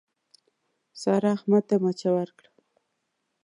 سارا، احمد ته مچه ورکړه.